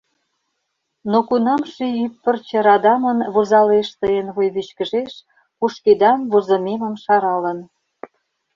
Но кунам ший ӱп пырче радамын Возалеш тыйын вуйвичкыжеш, Кушкедам возымемым шаралын…